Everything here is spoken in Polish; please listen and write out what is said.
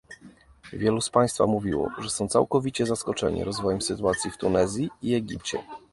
Wielu z Państwa mówiło, że są całkowicie zaskoczeni rozwojem sytuacji w Tunezji i Egipcie